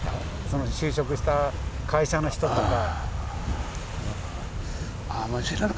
その就職した会社の人とか。